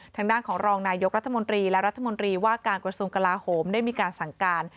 ทางด้านของรองนายกรัฐมนตรีและรัฐมนตรีว่าการกระทรวงกลาโหมได้มีการสั่งการ